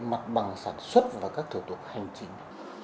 mặt bằng sản xuất và các thử tục hành trình